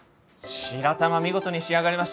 白玉見事に仕上がりましたね。